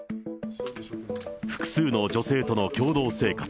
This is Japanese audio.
複数の女性との共同生活。